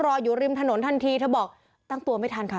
อยู่ริมถนนทันทีเธอบอกตั้งตัวไม่ทันค่ะ